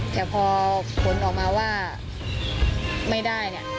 แต่พอผลออกมาว่าไม่ได้เนี่ย